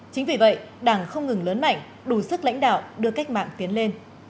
chính vì vậy đảng không ngừng lớn mạnh đủ sức lãnh đạo đưa cách mạng tiến lên